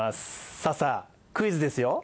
さあさあ、クイズですよ。